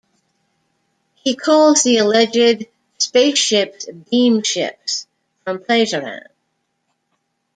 He calls the alleged spaceships "beamships" from Plejaren.